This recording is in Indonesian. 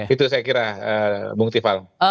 itu saya kira bung tiffal